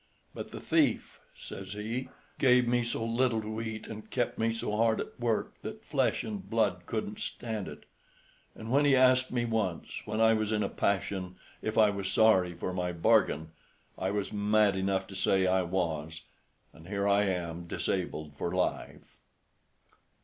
"But the thief," says he, "gave me so little to eat, and kept me so hard at work, that flesh and blood couldn't stand it; and when he asked me once, when I was in a passion, if I was sorry for my bargain, I was mad enough to say I was, and here I am disabled for life."